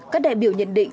các đại biểu nhận định